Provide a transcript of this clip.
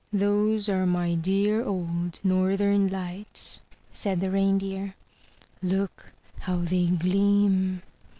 "Those are my dear old northern lights," said the Reindeer; "look how they gleam!